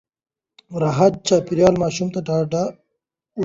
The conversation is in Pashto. راحت چاپېريال ماشوم ته ډاډ ورکوي.